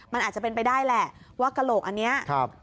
มันอาจจะเป็นไปได้แหละว่ากระโหลกอันนี้ครับ